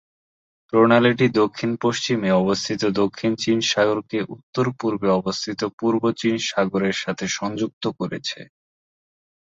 প্রণালীটি দক্ষিণ-পশ্চিমে অবস্থিত দক্ষিণ চীন সাগরকে উত্তর-পূর্বে অবস্থিত পূর্ব চীন সাগরের সাথে সংযুক্ত করেছে।